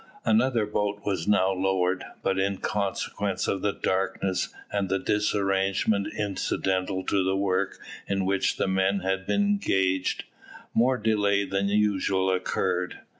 Another boat was now lowered, but in consequence of the darkness, and the disarrangement incidental to the work in which the men had been engaged, more delay than usual occurred.